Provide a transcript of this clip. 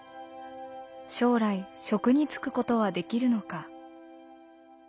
将来職に就くことはできるのか？